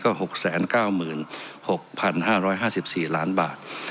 ๖๙๖๕๕๔ล้านบาท